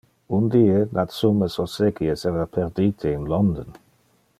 Un die, Natsume Soseki esseva perdite in London.